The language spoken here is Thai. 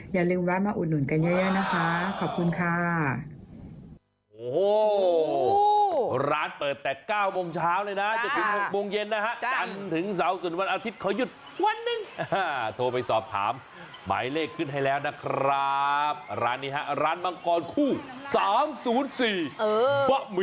อย่าลืมแวะมาอุดหนุนกันเยอะนะคะขอบคุณค่ะ